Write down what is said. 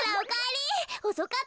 おそかったわね。